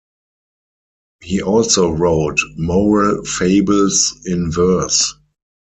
He also wrote "Moral Fables in Verse".